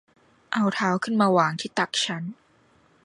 เอาเท้าขึ้นมาวางที่ตักฉัน